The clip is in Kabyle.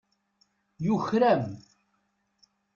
Tuker-am.